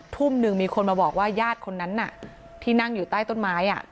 ทุ่มหนึ่งมีคนมาบอกว่าญาติคนนั้นที่นั่งอยู่ใต้ต้นไม้